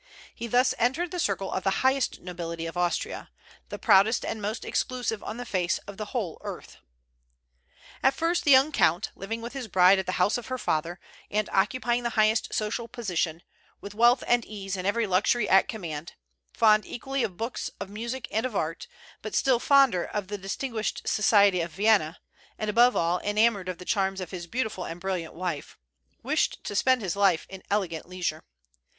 He thus entered the circle of the highest nobility of Austria, the proudest and most exclusive on the face of the whole earth. At first the young count living with his bride at the house of her father, and occupying the highest social position, with wealth and ease and every luxury at command, fond equally of books, of music, and of art, but still fonder of the distinguished society of Vienna, and above all, enamored of the charms of his beautiful and brilliant wife wished to spend his life in elegant leisure.